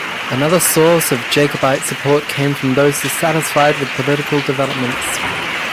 Another source of Jacobite support came from those dissatisfied with political developments.